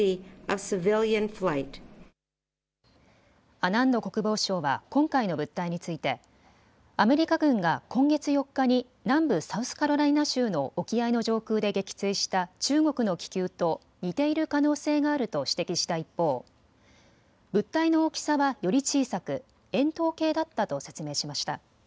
アナンド国防相は今回の物体についてアメリカ軍が今月４日に南部サウスカロライナ州の沖合の上空で撃墜した中国の気球と似ている可能性があると指摘した一方、物体の大きさは、より小さく円筒形だったと説明しました。